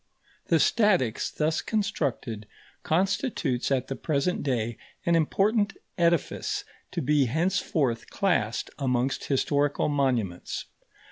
The statics thus constructed constitutes at the present day an important edifice to be henceforth classed amongst historical monuments.